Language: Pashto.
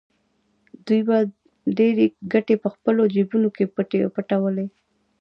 دوی به ډېرې ګټې په خپلو جېبونو کې پټولې